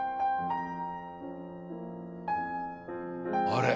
あれ？